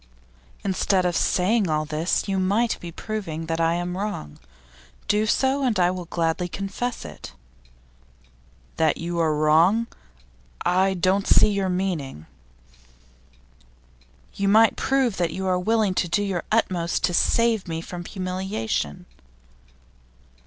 'Instead of saying all this, you might be proving that I am wrong. Do so, and I will gladly confess it.' 'That you are wrong? I don't see your meaning.' 'You might prove that you are willing to do your utmost to save me from humiliation.